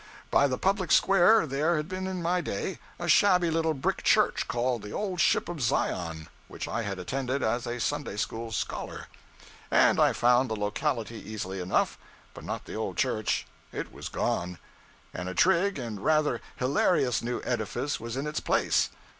By the public square there had been in my day a shabby little brick church called the 'Old Ship of Zion,' which I had attended as a Sunday school scholar; and I found the locality easily enough, but not the old church; it was gone, and a trig and rather hilarious new edifice was in its place.